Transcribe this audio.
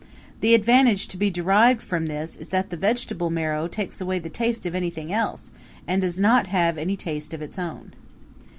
The advantage to be derived from this is that the vegetable marrow takes away the taste of anything else and does not have any taste of its own.